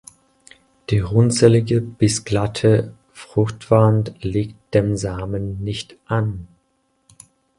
Die runzelige bis glatte Fruchtwand liegt dem Samen nicht an.